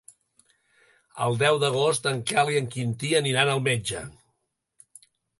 El deu d'agost en Quel i en Quintí aniran al metge.